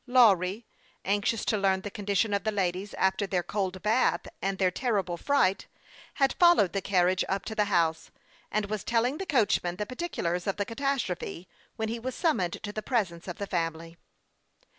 Lawry, anxious t<? learn the condition of the ladies after their cold bath, and their terrible fright, had followed the carriage up to the house, and was telling the coachman the particulars of the catastrophe when he was sum moned to the presence of the family.